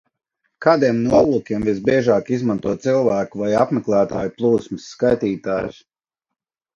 Kādiem nolūkiem visbiežāk izmanto cilvēku vai apmeklētāju plūsmas skaitītājus?